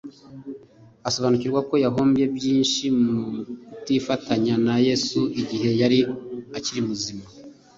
Asobanukirwa ko yahombye byinshi mu kutifatanya na Yesu igihe yari akiri muzima.